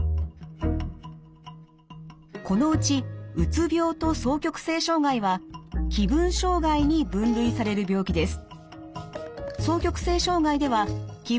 このうちうつ病と双極性障害は気分障害に分類される病気です。